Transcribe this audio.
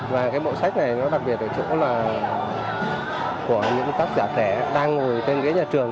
và cái bộ sách này nó đặc biệt ở chỗ là của những tác giả trẻ đang ngồi trên ghế nhà trường